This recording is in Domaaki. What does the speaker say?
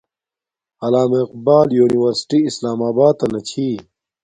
علامہ اقبال یونی ورسٹی اسلام آباتنا چھی